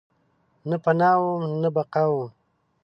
نه پناه وم ، نه بقاوم